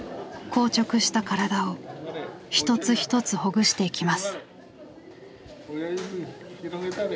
硬直した体を一つ一つほぐしていきます。